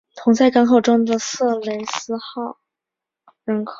同在港口中的色雷斯人号驱逐舰与蛾号一起被日军俘获。